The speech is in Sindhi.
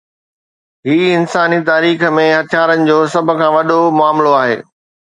هي انساني تاريخ ۾ هٿيارن جو سڀ کان وڏو معاملو آهي.